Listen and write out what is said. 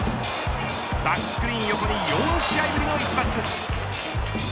バックスクリーン横に４試合ぶりの一発。